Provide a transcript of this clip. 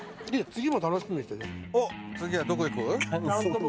次はどこ行く？